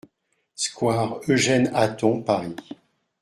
Square Eugène Hatton, Paris